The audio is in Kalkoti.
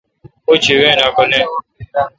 اوچھی وین ہکہ نہ۔